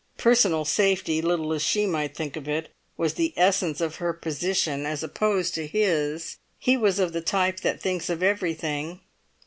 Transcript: Personal safety, little as she might think of it, was the essence of her position as opposed to his; and he was of the type that thinks of everything.